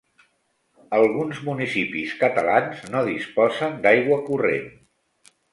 Alguns municipis catalans no disposen d'aigua corrent.